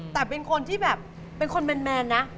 แต่เป็นคนที่แบบเป็นคนแมนนะ